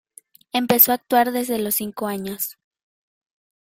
Empezó a actuar desde los cinco años.